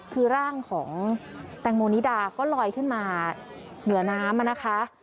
คือร่างของแตงโมนิดาก็ลอยขึ้นมาเหนือน้ำนะคะ